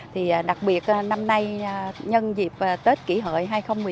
thì đặc biệt năm nay nhân dịp tết kỷ hợi hai nghìn một mươi chín